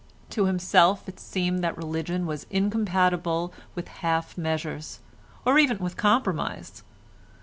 To himself it seemed that religion was incompatible with half measures, or even with compromise.